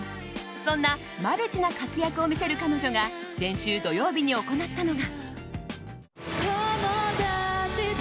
そんなマルチな活躍を見せる彼女が先週土曜日に行ったのが。